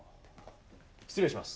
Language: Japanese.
失礼します。